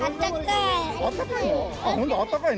あったかい。